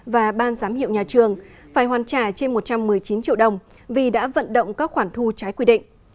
và ban giám hiệu nhà trường phải hoàn trả trên một trăm một mươi chín triệu đồng vì đã vận động các khoản thu trái quy định